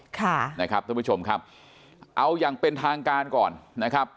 ค่ะนะครับท่านผู้ชมครับเอาอย่างเป็นทางการก่อนนะครับ